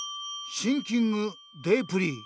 シンキングデープリー。